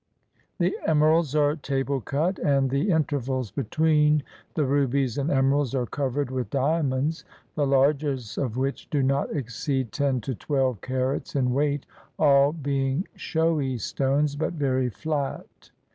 The emeralds are table cut, and the inter vals between the rubies and emeralds are covered with diamonds, the largest of which do not exceed ten to "5 INDIA twelve carats in weight, all being showy stones, but very flat.